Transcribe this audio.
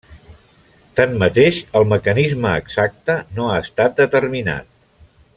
Tanmateix, el mecanisme exacte no ha estat determinat.